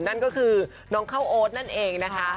นั่นก็คือน้องเข้าโอ๊ตนั่นเองนะคะ